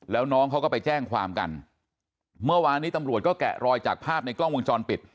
แล้วน้องเขาก็ไปแจ้งความกันเมื่อวานนี้ตำรวจก็แกะรอยจากภาพในกล้องวงจรปิด